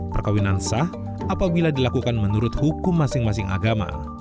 perkawinan sah apabila dilakukan menurut hukum masing masing agama